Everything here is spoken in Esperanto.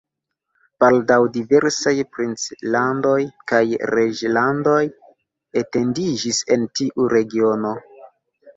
Baldaŭ diversaj princlandoj kaj reĝlandoj etendiĝis en tiu regiono.